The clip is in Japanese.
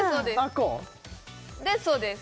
でそうです